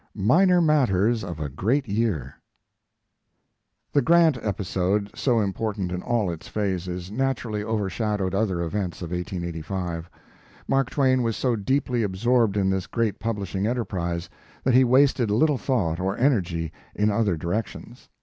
MINOR MATTERS OF A GREAT YEAR The Grant episode, so important in all its phases, naturally overshadowed other events of 1885. Mark Twain was so deeply absorbed in this great publishing enterprise that he wasted little thought or energy in other directions.